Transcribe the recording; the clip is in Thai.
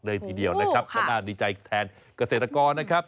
เลยทีเดียวนะครับก็น่าดีใจแทนเกษตรกรนะครับ